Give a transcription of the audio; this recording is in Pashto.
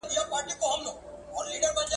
د ناول نوم مفرور و.